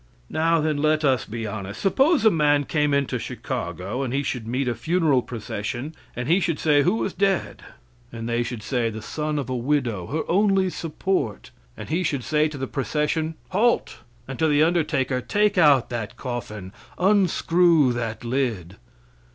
Now, then, let us be honest. Suppose a man came into Chicago and he should meet a funeral procession, and he should say, "Who is dead?" and they should say, "The son of a widow; her only support," and he should say to the procession, "Halt!" And to the undertaker, "Take out that coffin, unscrew that lid."